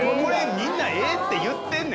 みんなええって言ってる。